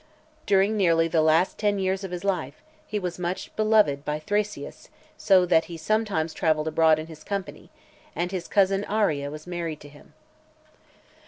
During nearly the last ten years of his life he was much beloved by Thraseas, so that he sometimes travelled abroad in his company; and his cousin Arria was married to him.